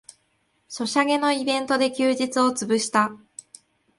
ソシャゲのイベントで休日をつぶした